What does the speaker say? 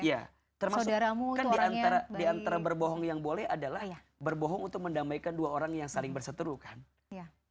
ya termasuk kan diantara berbohong yang boleh adalah berbohong untuk mendamaikan dua orang yang saling berseteru kan